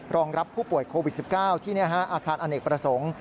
รองรับผู้ป่วยโควิด๑๙ที่อาคารอเนกประสงค์